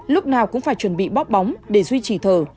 lúc nào cũng phải chuẩn bị bóp bóng để duy trì thở